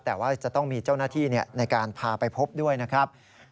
แต่ว่าจะต้องมีเจ้าหน้าที่ในการพาไปพบด้วยนะครับ